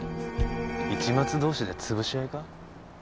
市松同士でつぶし合いか？